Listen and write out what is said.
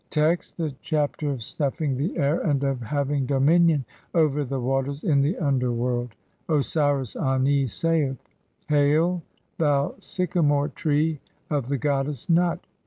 log Text : (i) The Chapter of snuffing the air, and of HAVING DOMINION OVER THE WATERS IN THE UNDERWORLD. Osiris Ani saith :— "Hail, thou sycamore tree of the goddess Nut!